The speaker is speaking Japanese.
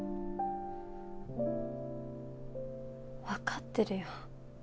わかってるよ。